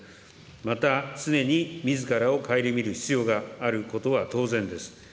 また常にみずからを省みる必要があることは当然です。